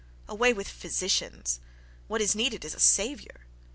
—Away with physicians! What is needed is a Saviour.